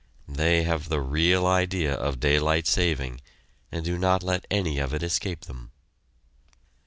They have the real idea of daylight saving, and do not let any of it escape them.